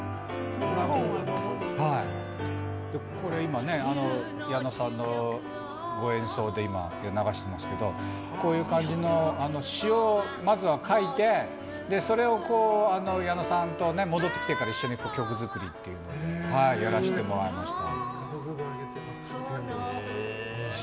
今ね、矢野さんのご演奏で流してますけどこういう感じの詞を書いてそれを矢野さんと戻ってきてから一緒に曲作りというのでやらせてもらいました。